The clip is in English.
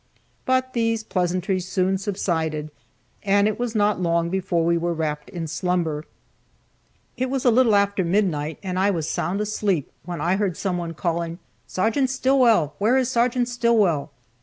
But these pleasantries soon subsided, and it was not long before we were wrapped in slumber. It was a little after midnight, and I was sound asleep, when I heard someone calling, "Sergeant Stillwell! Where is Sergeant Stillwell?"